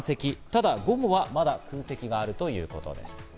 ただ午後はまだ空席があるということです。